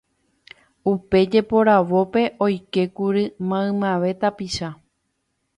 Upe jeporavópe oikékuri maymave tapicha